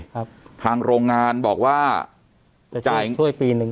ครับทางโรงงานบอกว่าจะช่วยปีหนึ่ง